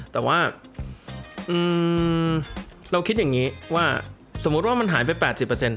แต่ว่าอืมเราคิดอย่างงี้ว่าสมมุติว่ามันหายไปแปดสิบเปอร์เซ็นต์